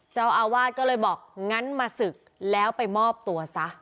เจ้าอาวาสก็เลยบอกงั้นมาศึกแล้วไปมอบตัวซะ